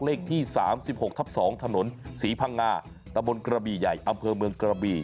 เลขที่๓๖ทับ๒ถนนศรีพังงาตะบนกระบี่ใหญ่อำเภอเมืองกระบี่